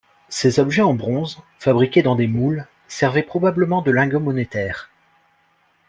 Ces objets en bronze, fabriqués dans des moules, servaient probablement de lingots monétaires.